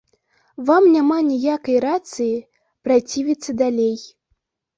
Вам няма ніякай рацыі працівіцца далей.